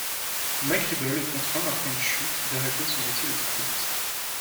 Mike Ribble est contraint, après une chute, d’arrêter son métier de trapéziste.